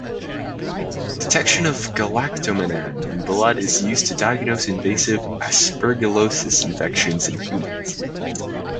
Detection of galactomannan in blood is used to diagnose invasive aspergillosis infections in humans.